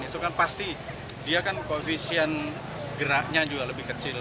itu kan pasti dia kan koefisien geraknya juga lebih kecil